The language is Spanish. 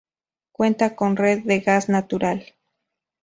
Cuenta con red de gas natural.